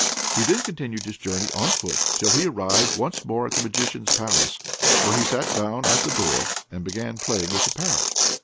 He then continued his journey on foot till he arrived once more at the Magician's palace, where he sat down at the door and began playing with the parrot.